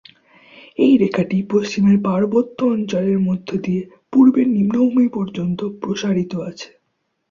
এই রেখাটি পশ্চিমের পার্বত্য অঞ্চলের মধ্য দিয়ে পূর্বের নিম্নভূমি পর্যন্ত প্রসারিত আছে।